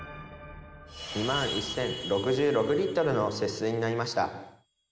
２万１０６６リットルの節水になりました。